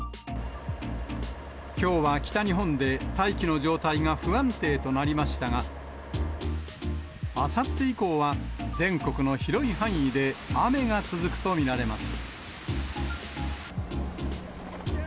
きょうは北日本で大気の状態が不安定となりましたが、あさって以降は、全国の広い範囲で雨が続くと見られます。